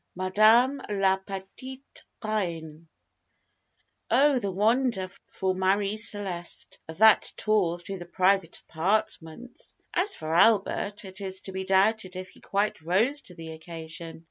MADAME LA PETITE REINE. [Illustration: 9139] Oh, the wonder, for Marie Celeste, of that tour through the private apartments! As for Albert, it is to be doubted if he quite rose to the occasion.